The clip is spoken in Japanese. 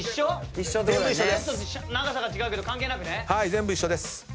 全部一緒です。